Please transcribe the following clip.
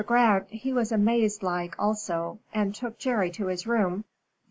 Grant, he was amazed like also, and took Jerry to his room.